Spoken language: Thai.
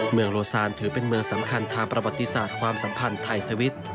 เมืองโลซานถือเป็นเมืองสำคัญทางประวัติศาสตร์ความสัมพันธ์ไทยสวิตช์